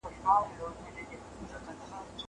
زه به سبا مېوې وچوم.